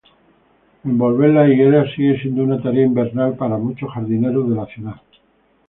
Envolver las higueras sigue siendo una tarea invernal para muchos jardineros de la ciudad.